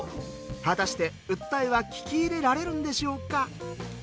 果たして訴えは聞き入れられるんでしょうか。